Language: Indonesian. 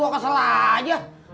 aku desa namedilang